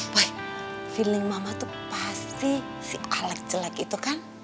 boy feeling mama tuh pasti si alex jelek itu kan